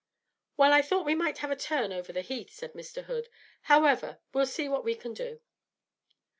'Well, I thought we might have a turn over the Heath,' said Mr. Hood. 'However, we'll see what we can do.'